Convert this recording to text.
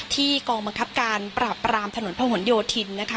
กองบังคับการปราบรามถนนพระหลโยธินนะคะ